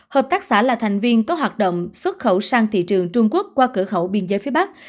hợp tác xã là thành viên có hoạt động xuất khẩu sang thị trường trung quốc qua cửa khẩu biên giới phía bắc